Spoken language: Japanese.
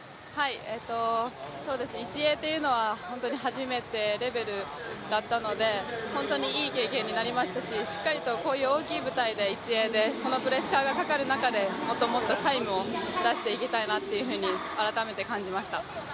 １泳というのは初めてだったので本当にいい経験になりましたし、こういう大きい舞台で１泳でこのプレッシャーがかかる中で、もっともっとタイムを出していきたいと改めて感じました。